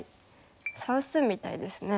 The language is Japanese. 算数みたいですね。